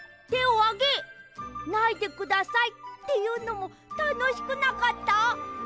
「てをあげないでください」っていうのもたのしくなかった？